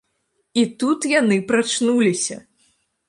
І тут яны прачнуліся!